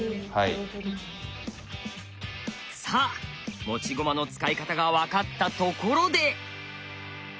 さあ持ち駒の使い方が分かったところで。